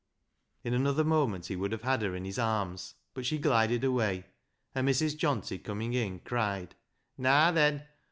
In another moment he would have had her in his arms, but she glided away, and Mrs. Johnty coming in, cried— " Naa then